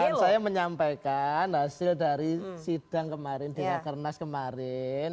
kan saya menyampaikan hasil dari sidang kemarin dengan kernas kemarin